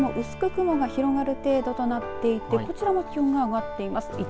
大阪も薄く雲が広がる程度となっていてこちらも気温が上がっています。